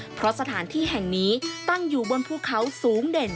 เพราะสถานที่แห่งนี้ตั้งอยู่บนภูเขาสูงเด่น